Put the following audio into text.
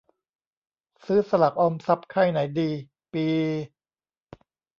ซื้อสลากออมทรัพย์ค่ายไหนดี ปี